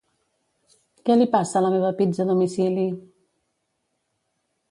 Què li passa a la meva pizza a domicili?